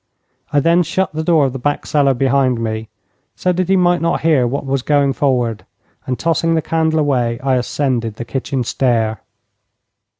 I then shut the door of the back cellar behind me, so that he might not hear what was going forward, and tossing the candle away I ascended the kitchen stair.